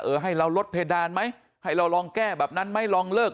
ให้เราลดเพดานไหมให้เราลองแก้แบบนั้นไหมลองเลิก